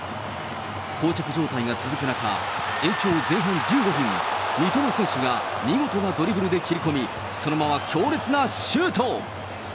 こう着状態が続く中、延長前半１５分、三笘選手が見事なドリブルで切り込み、そのまま強烈なシュート。